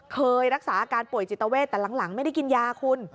เคยรักษาอาการป่วยจิตเวทแต่หลังไม่ได้กินยาคุณ